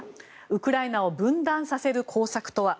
ウクライナを分断させる工作とは。